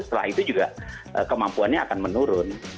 setelah itu juga kemampuannya akan menurun